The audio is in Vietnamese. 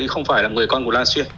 thì không phải là người con của la xuyên